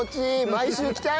毎週来たい！